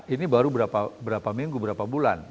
ini baru berapa minggu berapa bulan